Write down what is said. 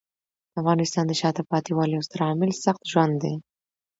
د افغانستان د شاته پاتې والي یو ستر عامل سخت ژوند دی.